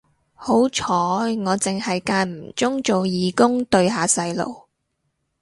好彩我剩係間唔中做義工對下細路